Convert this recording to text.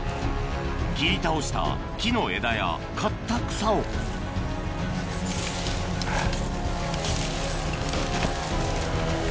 切り倒した木の枝や刈った草をはぁ。